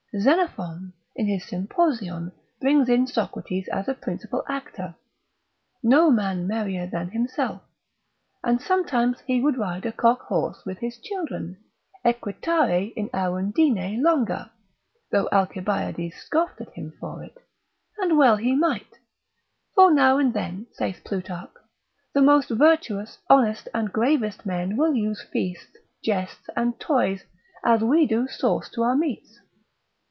Xenophon, in his Sympos. brings in Socrates as a principal actor, no man merrier than himself, and sometimes he would ride a cockhorse with his children.—equitare in arundine longa. (Though Alcibiades scoffed at him for it) and well he might; for now and then (saith Plutarch) the most virtuous, honest, and gravest men will use feasts, jests, and toys, as we do sauce to our meats.